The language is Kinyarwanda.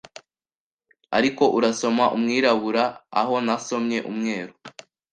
Ariko urasoma umwirabura aho nasomye umweru